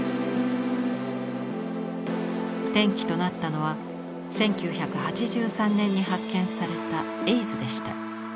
転機となったのは１９８３年に発見された「エイズ」でした。